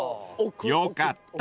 ［よかった。